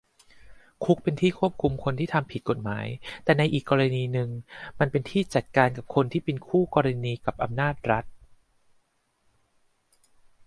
คุกเป็นที่ควบคุมคนที่ทำผิดกฎหมาย แต่ในอีกกรณีหนึ่งมันเป็นที่จัดการกับคนที่เป็นคู่กรณีกับอำนาจรัฐ